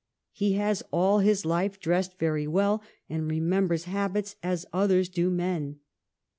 He has all his life dressed very well, and remembers habits as others do men.